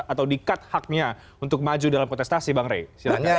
atau dikat haknya untuk maju dalam kontestasi bang rey silahkan